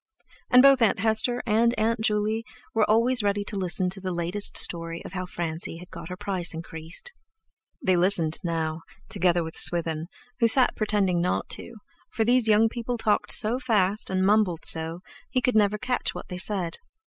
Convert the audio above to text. And both Aunt Hester and Aunt Juley were always ready to listen to the latest story of how Francie had got her price increased. They listened now, together with Swithin, who sat pretending not to, for these young people talked so fast and mumbled so, he never could catch what they said.